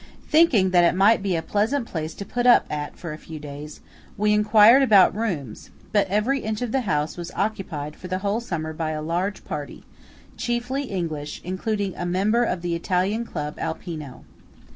Thinking that it might be a pleasant place to put up at for a few days, we enquired about rooms; but every inch of the house was occupied for the whole summer by a large party, chiefly English, including a member of the Italian Club Alpino.